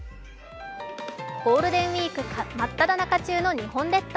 ゴールデンウイーク真っただ中の日本列島。